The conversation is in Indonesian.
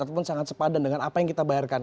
ataupun sangat sepadan dengan apa yang kita bayarkan